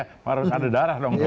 harus ada darah dong